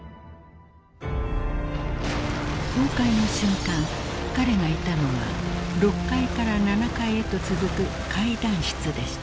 ［崩壊の瞬間彼がいたのは６階から７階へと続く階段室でした］